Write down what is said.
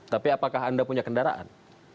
tapi apakah anda punya kendaraan